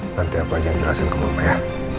nanti aku aja yang jelasin ke mama ya